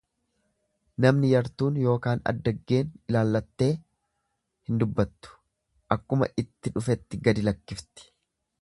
Namni yartuun ykn addaggeen ilallattee hin dubbattu akkuma itti dhufetti gadi lakkifti.